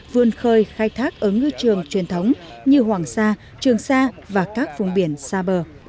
vươn khơi khai thác ở ngư trường truyền thống như hoàng sa trường sa và các vùng biển xa bờ